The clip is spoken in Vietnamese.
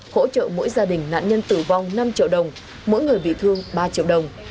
hỗ trợ mỗi gia đình nạn nhân tử vong năm triệu đồng mỗi người bị thương ba triệu đồng